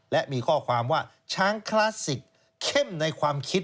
และมีข้อความว่าช้างคลาสสิกเข้มในความคิด